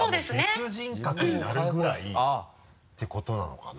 別人格になるぐらいってことなのかな？